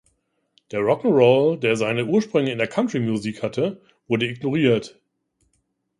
Der Rock ’n’ Roll, der seine Ursprünge in der Country-Musik hatte, wurde ignoriert.